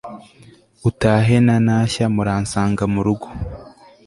utahe na ntashya muransanga muruggo